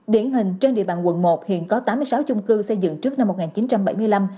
điển hình trên địa bàn quận một hiện có tám mươi sáu chung cư xây dựng trước năm một nghìn chín trăm bảy mươi năm